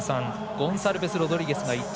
ゴンサルベスロドリゲスが１着。